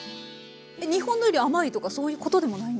日本のより甘いとかそういうことでもないんですか？